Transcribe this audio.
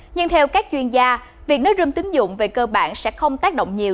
nhưng theo các chuyên gia việc nối râm tính dụng về cơ bản sẽ không tác động nhiều